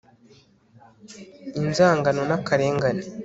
inzangano n'akarengane